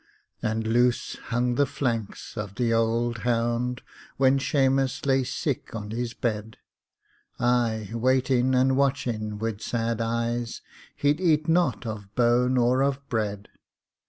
And loose hung the flanks av the ould hound When Shamus lay sick on his bed Ay, waitin' and watchin' wid sad eyes He'd eat not av bone or av bread!